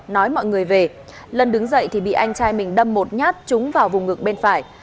nói mọi người về lân đứng dậy thì bị anh trai mình đâm một nhát trúng vào vùng ngực bên phải